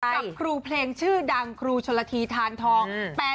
กับครูเพลงชื่อดังครูชนละทีทานทอง